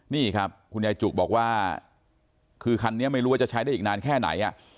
นี่ครับคุณยายจุบอกว่าคือคันนี้ไม่รู้ว่าจะใช้ได้อีกนานแค่ไหน